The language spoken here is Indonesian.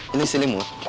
ini si limut